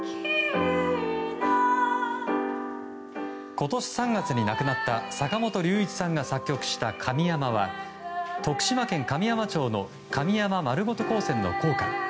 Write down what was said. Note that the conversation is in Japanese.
今年３月に亡くなった坂本龍一さんが作曲した「ＫＡＭＩＹＡＭＡ」は徳島県神山町の神山まるごと高専の校歌。